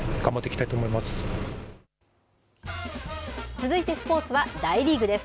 続いてスポーツは大リーグです。